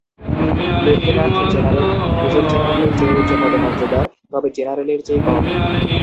Lieutenant general major জেনারেলের চেয়ে উচ্চ পদমর্যাদার, তবে জেনারেলের চেয়ে কম।